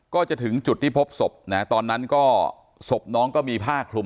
ก็จะถึงจุดที่พบศพนะตอนนั้นก็ศพน้องก็มีผ้าคลุม